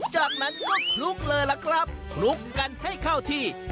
จากนั้นก็คลุกเลยล่ะครับคลุกกันให้เข้าที่